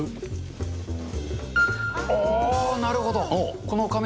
あー、なるほど。